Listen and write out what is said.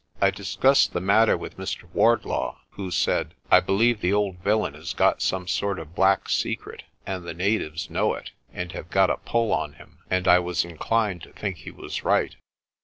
I discussed the matter with Mr. Wardlaw, who said, "I believe the old villain has got some sort of black secret, and the natives know it, and have got a pull on him." And I was inclined to think he was right.